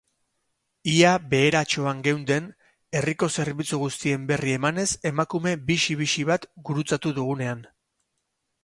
Ia beheratxoan geunden herriko zerbitzu guztien berri emanez emakume bixi-bixi bat gurutzatu dugunean.